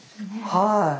はい。